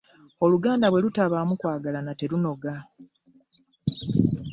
Oluganda bwe lutabaamu kwagalana terunoga .